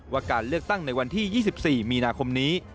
ว่าการเลือกตั้งในวันที่๒๔มีนาคมนี้